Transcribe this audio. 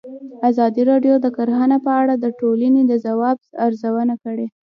ازادي راډیو د کرهنه په اړه د ټولنې د ځواب ارزونه کړې.